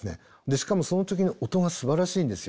しかもその時の音がすばらしいんですよ。